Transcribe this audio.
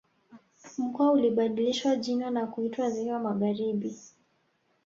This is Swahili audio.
Mkoa ulibadilishwa jina na kuitwa Ziwa Magharibi